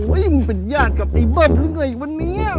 โอ๊ยมึงเป็นญาติกับไอ้เบิร์ดหรือไงอีกวันนี้